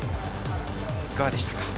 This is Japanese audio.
いかがでしたか？